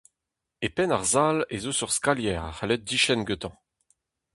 E penn ar sal ez eus ur skalier a c'hallit diskenn gantañ.